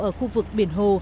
ở khu vực biển hồ